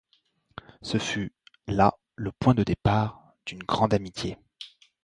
Ce fut là le point de départ d'une grande amitié.